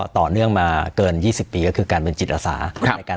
ต่อเนื่องมาเกินยี่สิบปีก็คือการเป็นจิตอาสาครับในการ